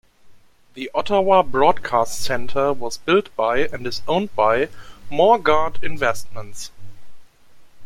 The Ottawa Broadcast Centre was built by and is owned by Morguard Investments.